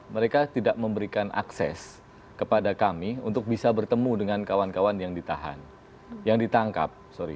mereka tidak memberikan akses kepada kami untuk bisa bertemu dengan kawan kawan yang ditahan yang ditangkap sorry